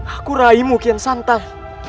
aku raimu kian santan